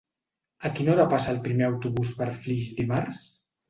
A quina hora passa el primer autobús per Flix dimarts?